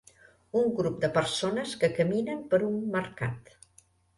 Un grup de persones que caminen per un mercat.